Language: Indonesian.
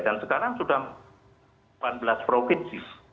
dan sekarang sudah delapan belas provinsi